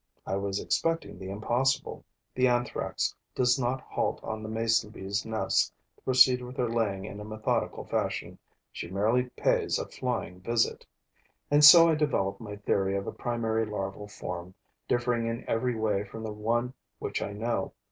I was expecting the impossible: the Anthrax does not halt on the mason bee's nest to proceed with her laying in a methodical fashion; she merely pays a flying visit. And so I develop my theory of a primary larval form, differing in every way from the one which I know.